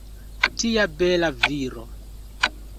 Tia bela viro!